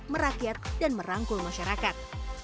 merakyat dan merangkul masyarakat